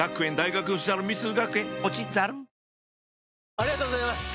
ありがとうございます！